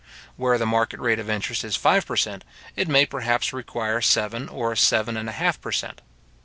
Where the market rate of interest is five per cent. it may perhaps require seven or seven and a half per cent.